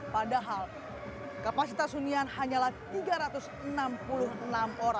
padahal kapasitas hunian hanyalah tiga ratus persen